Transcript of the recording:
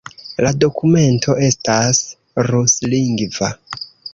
La dokumento estas ruslingva.